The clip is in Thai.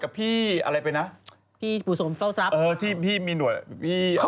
คนนี้ก็ทำงานอยู่พลากรไม่ใช่เหรอ